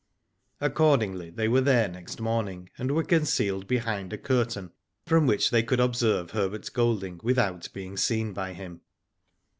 Accordingly they were there next morning, and were concealed behind a curtain from which they could observe Herbert Golding without being seen by him.